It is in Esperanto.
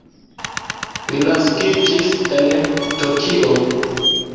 Li naskiĝis en Tokio.